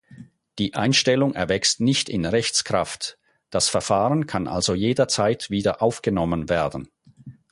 Die Einstellung erwächst nicht in Rechtskraft, das Verfahren kann also jederzeit wieder aufgenommen werden.